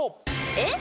えっ？